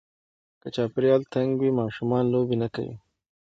که چاپېریال تنګ وي، ماشومان لوبې نه کوي.